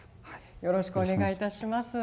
よろしくお願いします。